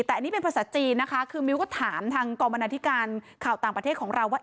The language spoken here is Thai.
แต่อันนี้เป็นภาษาจีนนะคะคือมิ้วก็ถามทางกรรมนาธิการข่าวต่างประเทศของเราว่า